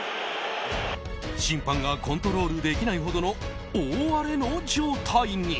審判がコントロールできないほどの大荒れの状態に。